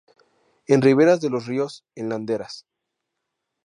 En riberas de los ríos, en laderas.